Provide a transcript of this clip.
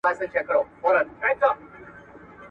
په زرګونو به تر تېغ لاندي قتلیږي ,